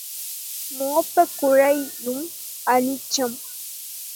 மோப்பக் குழையும் அனிச்சம்!